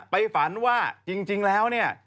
ฝันว่าจริงแล้วเนี่ย